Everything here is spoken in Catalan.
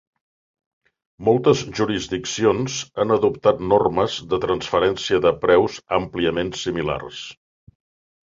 Moltes jurisdiccions han adoptat normes de transferència de preus àmpliament similars.